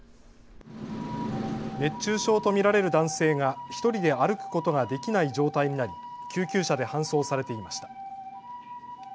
熱中症と見られる男性が１人で歩くことができない状態になり救急車で搬送されていました。